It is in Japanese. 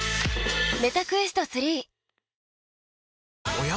おや？